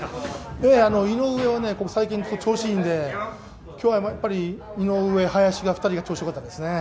最近ちょっと調子いいので今日はやっぱり井上、林２人が調子良かったですね。